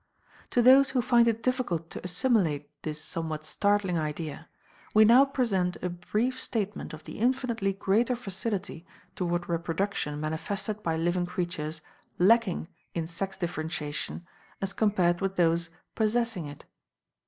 To those who find it difficult to assimilate this somewhat startling idea, we now present a brief statement of the infinitely greater facility toward reproduction manifested by living creatures lacking in sex differentiation as compared with those possessing it.